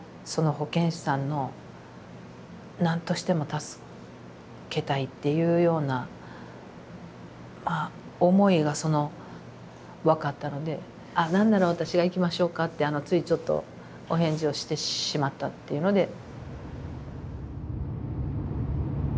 その保健師さんの何としても助けたいっていうような思いが分かったので「何なら私が行きましょうか」ってついちょっとお返事をしてしまったっていうので。